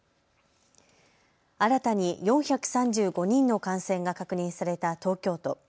新たに４３５人の感染が確認された東京都。